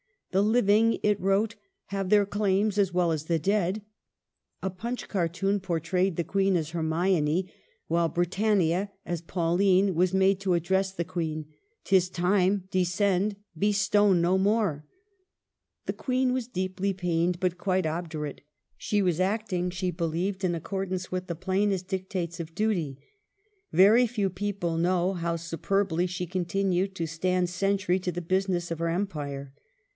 "The living," it wrote, "have their claims as well as the dead." A Punch cartoon portrayed the Queen as Hermione, while Britannia, as Pauline, was made to address the Queen, " 'Tis time ; descend ; be stone no more ".^ The Queen was deeply pained, but quite obdurate. She was acting, as she believed, in accordance with the plainest dictates of duty. " Very few people know how superbly she continued to stand sentry to the business of her Empire.